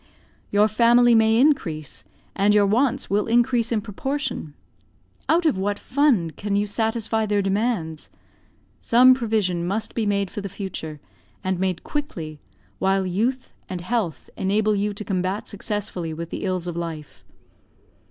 Your family may increase, and your wants will increase in proportion; out of what fund can you satisfy their demands? Some provision must be made for the future, and made quickly, while youth and health enable you to combat successfully with the ills of life.